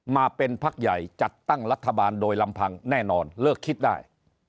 มาเป็นพักใหญ่จัดตั้งรัฐบาลโดยลำพังแน่นอนเลิกคิดได้